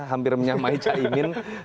hampir menyamai caimin